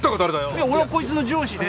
いや俺はこいつの上司で。